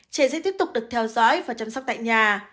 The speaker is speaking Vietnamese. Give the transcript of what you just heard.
trẻ sẽ tiếp tục được theo dõi và chăm sóc tại nhà